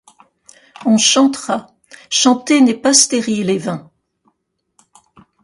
On chantera ; chanter n’est pas stérile et vain